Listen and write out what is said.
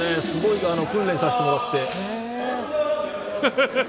すごい訓練させてもらって。